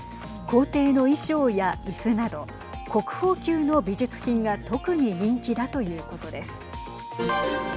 皇帝の衣装やいすなど国宝級の美術品が特に人気だということです。